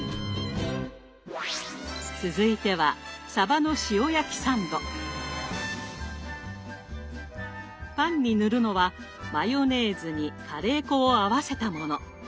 続いてはパンに塗るのはマヨネーズにカレー粉を合わせたもの。